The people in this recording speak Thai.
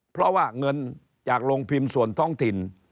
เพราะว่าเงินจากโรงพิมพ์ส่วนท้องถิ่น